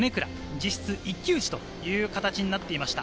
実質一騎打ちという形になっていました。